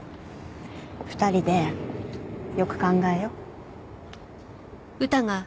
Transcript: ２人でよく考えよう。